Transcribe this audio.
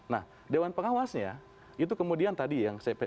nah dewan pengawasnya itu kemudian tadi yang saya